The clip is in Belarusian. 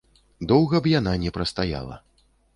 Доўга б яна не прастаяла.